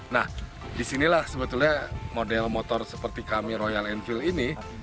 nah disinilah sebetulnya model motor seperti kami royal enfield ini